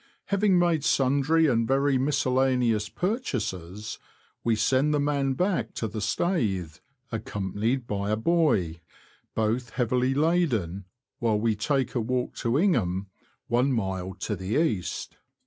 Having made sundry and very miscellaneous purchases, we send the man back to the Staithe, accompanied by a boy, both heavily laden, while we take a walk to Ingham, one mile to the east.